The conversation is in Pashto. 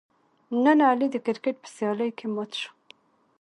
نن علي د کرکیټ په سیالۍ کې مات شو.